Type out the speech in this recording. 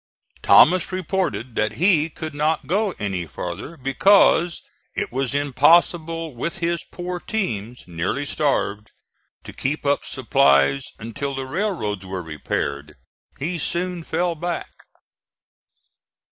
Thomas reported that he could not go any farther, because it was impossible with his poor teams, nearly starved, to keep up supplies until the railroads were repaired. He soon fell back.